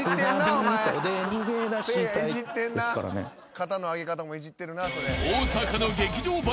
肩の上げ方もイジってるな。